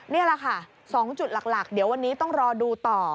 นี่แหละค่ะ๒จุดหลักเดี๋ยววันนี้ต้องรอดูต่อ